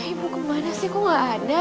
ibu kemana sih kok gak ada